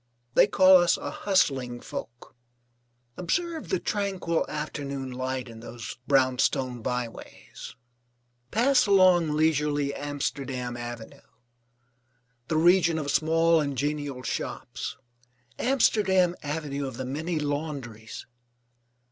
They call us a hustling folk. Observe the tranquil afternoon light in those brownstone byways. Pass along leisurely Amsterdam Avenue, the region of small and genial shops, Amsterdam Avenue of the many laundries.